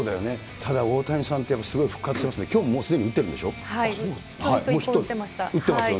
ただ大谷さんって、すごい復活してね、きょうすでにもうヒット打ってるんでしょ。